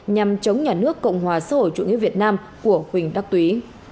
nhằm chống nhà nước cộng hòa xã hội chủ nghĩa việt nam của huỳnh đắc túy